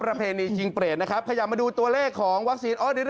ประเพณีชิงเปรตนะครับขยับมาดูตัวเลขของวัคซีน